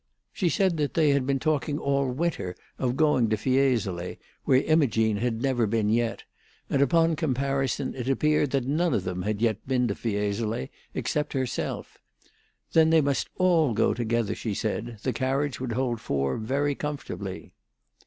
She said that they had been talking all winter of going to Fiesole, where Imogene had never been yet; and upon comparison it appeared that none of them had yet been to Fiesole except herself. Then they must all go together, she said; the carriage would hold four very comfortably.